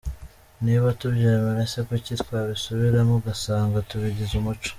Niba tubyemera se, kuki twabisubiramo, ugasanga tubigize umuco.